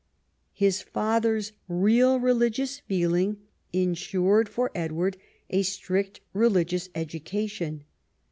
His father's real religious feeling ensured for Edward a strict religious education.